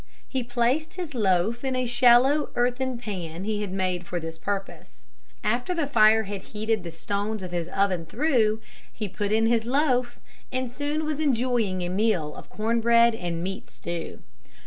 He placed his loaf in a shallow earthen pan he had made for this purpose. After the fire had heated the stones of his oven through, he put in his loaf and soon was enjoying a meal of corn bread and meat stew.